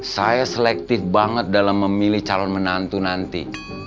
saya selektif banget dalam memilih calon menantu nanti